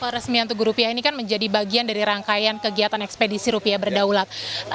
resmian tugu rupiah ini kan menjadi bagian dari rangkaian kegiatan ekspedisi rupiah berdaulat